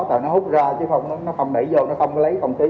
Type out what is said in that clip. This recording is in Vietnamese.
tại nó hút ra chứ không nó không đẩy vô nó không có lấy thông khí